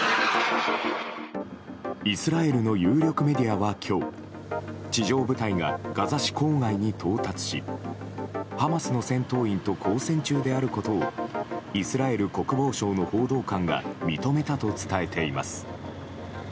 イスラエルの有力メディアは今日地上部隊が、ガザ市郊外に到達しハマスの戦闘員と交戦中であることをイスラエル国防省の報道官が認めたと伝えています。